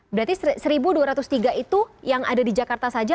berarti satu dua ratus tiga itu yang ada di jakarta saja